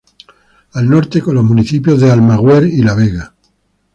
Al norte; con los municipios de Almaguer y La Vega.